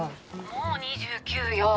「もう２９よ！